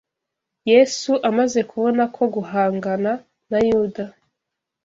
Yesu amaze kubona ko guhangana na Yuda